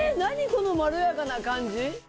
このまろやかな感じ。